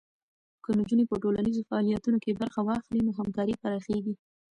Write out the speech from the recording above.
که نجونې په ټولنیزو فعالیتونو کې برخه واخلي، نو همکاري پراخېږي.